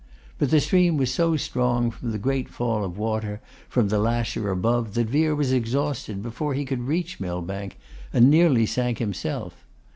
But the stream was so strong, from the great fall of water from the lasher above, that Vere was exhausted before he could reach Millbank, and nearly sank himself.